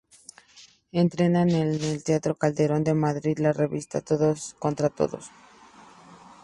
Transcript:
Estrenan en el teatro Calderón de Madrid la revista "¡Todos contra todos!